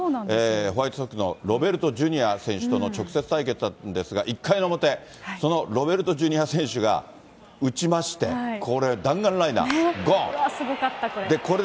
ホワイトソックスのロベルトジュニア選手との直接対決だったんですが、１回の表、そのロベルトＪｒ．選手が打ちまして、これ、すごかった、これ。